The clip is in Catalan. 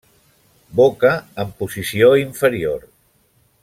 Boca en posició inferior.